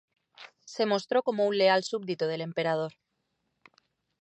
Se mostró como un leal súbdito del Emperador.